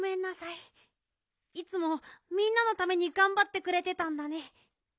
いつもみんなのためにがんばってくれてたんだね。